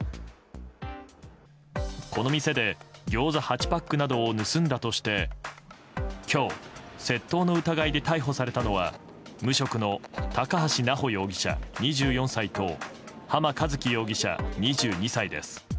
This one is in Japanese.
この店でギョーザ８パックなどを盗んだとして今日窃盗の疑いで逮捕されたのは無職の高橋直穂容疑者、２４歳と濱一輝容疑者、２２歳です。